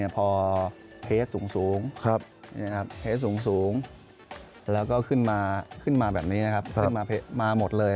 พอเพจสูงแล้วก็ขึ้นมาแบบนี้ครับมาหมดเลย